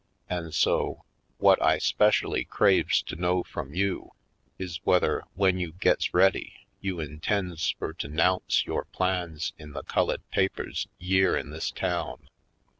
An' so, whut I 'specially craves to know frum you is whether, w'en you gits ready, you intends fur to 'nounce yore plans in the cullid papers yere in this town?"